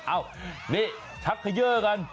อ้าวนี่ชักเคยเยอร์กัน